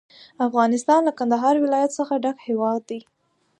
افغانستان له کندهار ولایت څخه ډک هیواد دی.